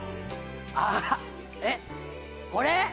あっえっこれ？